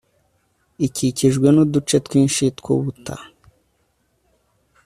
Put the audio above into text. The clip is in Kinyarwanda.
ikikijwe nuduce twinshi twubuta